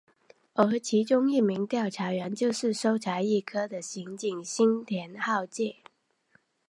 而其中一名调查员就是搜查一课的刑警新田浩介。